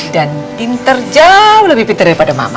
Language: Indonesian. dan tinter jauh lebih pinter daripada mama